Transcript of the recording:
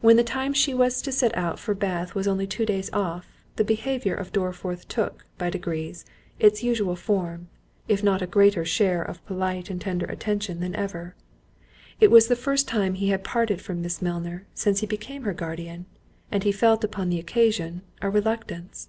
When the time she was to set out for Bath was only two days off, the behaviour of Dorriforth took, by degrees, its usual form, if not a greater share of polite and tender attention than ever. It was the first time he had parted from Miss Milner since he became her guardian, and he felt upon the occasion, a reluctance.